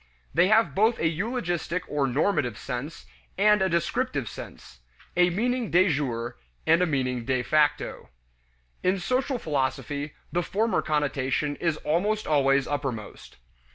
They have both a eulogistic or normative sense, and a descriptive sense; a meaning de jure and a meaning de facto. In social philosophy, the former connotation is almost always uppermost.